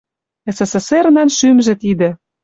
СССР-нан шӱмжӹ тидӹ